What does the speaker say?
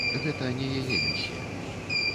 Гэта не яе місія.